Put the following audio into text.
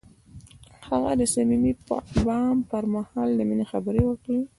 هغه د صمیمي بام پر مهال د مینې خبرې وکړې.